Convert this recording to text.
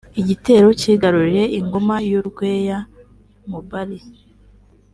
Igitero cyigaruriye Ingoma y’ u Rweya (Mubali)